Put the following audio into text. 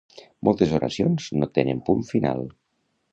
Moltes oracions no tenen punt final.